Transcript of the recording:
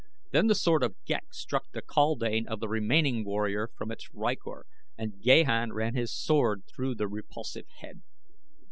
Then the sword of Ghek struck the kaldane of the remaining warrior from its rykor and Gahan ran his sword through the repulsive head.